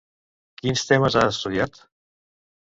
Quins temes ha estudiat?